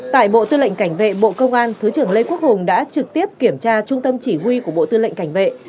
tại bộ tư lệnh cảnh vệ bộ công an thứ trưởng lê quốc hùng đã trực tiếp kiểm tra trung tâm chỉ huy của bộ tư lệnh cảnh vệ